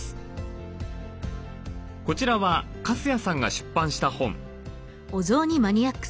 こちらは粕谷さんが出版した本。